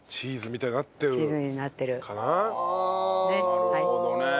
なるほどね。